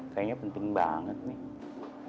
kayaknya penting banget nih